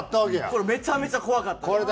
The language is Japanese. これめちゃめちゃ怖かったです。